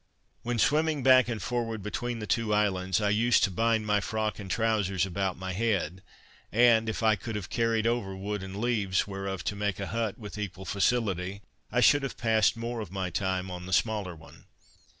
When swimming back and forward between the two islands, I used to bind my frock and trowsers about my head, and, if I could have carried over wood and leaves, whereof to make a hut, with equal facility, I should have passed more of my time on the smaller one.